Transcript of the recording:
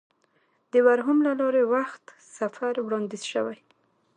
د ورم هول له لارې وخت سفر وړاندیز شوی.